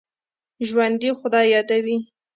ژوندي خدای یادوي